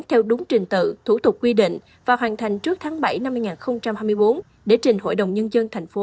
theo đúng trình tự thủ tục quy định và hoàn thành trước tháng bảy năm hai nghìn hai mươi bốn để trình hội đồng nhân dân thành phố